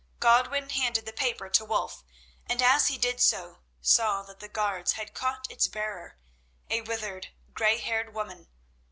Godwin handed the paper to Wulf, and, as he did so, saw that the guards had caught its bearer, a withered, grey haired woman.